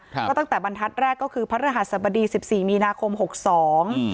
ครับก็ตั้งแต่บรรทัศน์แรกก็คือพระรหัสบดีสิบสี่มีนาคมหกสองอืม